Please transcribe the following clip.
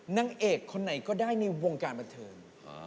นางเอกคนไหนก็ได้ในวงการบันเทิง